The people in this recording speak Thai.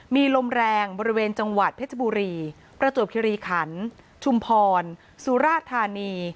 มีลมแรงบริเวณจังหวัดเพชรบุรีประจวบคิริขันชุมพรสุราธานี